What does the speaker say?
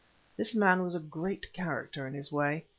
This man was a great character in his way.